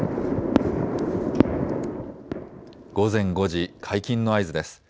午前５時、解禁の合図です。